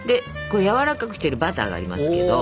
やわらかくしてるバターがありますけど。